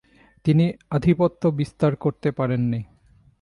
তিনি আধিপত্য বিস্তার করতে পারেননি।